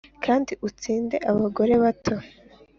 kandi utsinde abagore bato.